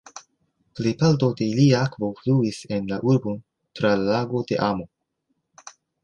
Plejparto de ilia akvo fluis en la urbon tra la Lago de Amo.